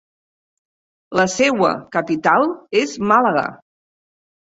La seua capital és Màlaga.